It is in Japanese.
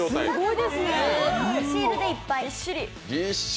シールでいっぱい。